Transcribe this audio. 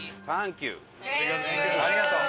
ありがとう。